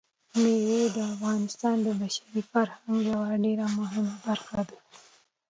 مېوې د افغانستان د بشري فرهنګ یوه ډېره مهمه برخه ده.